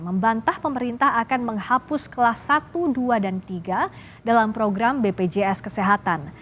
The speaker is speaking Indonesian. membantah pemerintah akan menghapus kelas satu dua dan tiga dalam program bpjs kesehatan